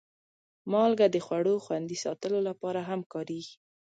مالګه د خوړو خوندي ساتلو لپاره هم کارېږي.